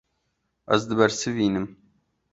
Ez dibersivînim.